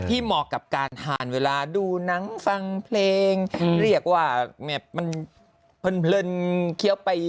เหมาะกับการทานเวลาดูหนังฟังเพลงเรียกว่ามันเพลินเคี้ยวไป